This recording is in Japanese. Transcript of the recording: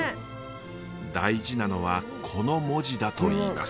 大事なのはこの文字だといいます。